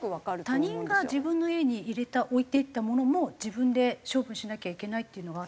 他人が自分の家に入れた置いていったものも自分で処分しなきゃいけないっていうのが。